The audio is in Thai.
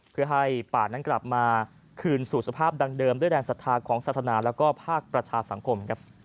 เพื่อให้ป่านั้นกลับมาคืนสู่สภาพดังเดิมด้วยแรงศรัทธาของศาสนาและภาคประชาสังคมครับ